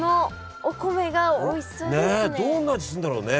ねえどんな味するんだろうね。